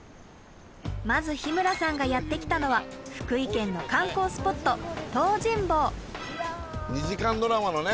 まず日村さんがやって来たのは福井県の観光スポット東尋坊！